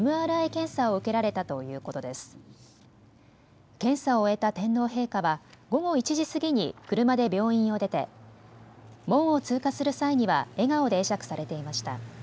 検査を終えた天皇陛下は午後１時過ぎに車で病院を出て門を通過する際には笑顔で会釈されていました。